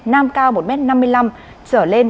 nam cao một m năm mươi năm trở lên